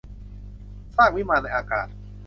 สร้างวิมานในอากาศ